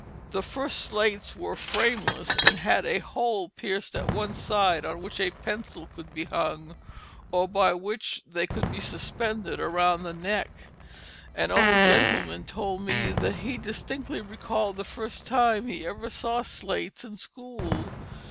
The first slates were frameless, and had a hole pierced at one side on which a pencil could be hung, or by which they could be suspended around the neck. An old gentleman told me that he distinctly recalled the first time he ever saw slates in school.